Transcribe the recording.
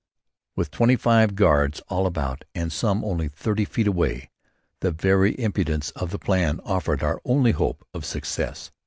With twenty five guards all about and some only thirty feet away, the very impudence of the plan offered our only hope of success.